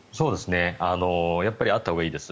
やっぱりあったほうがいいです。